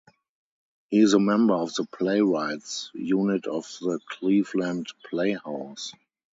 He is a member of the Playwrights' Unit of the Cleveland Play House.